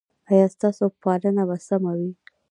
ایا ستاسو پالنه به سمه وي؟